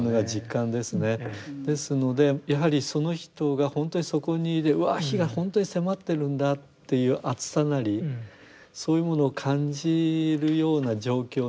ですのでやはりその人が本当にそこにわ火が本当に迫ってるんだっていう熱さなりそういうものを感じるような状況にこう直面しないと。